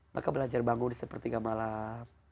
maka belajar bangun di sepertiga malam